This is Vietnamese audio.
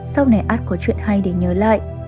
sau này ad có chuyện hay để nhớ lại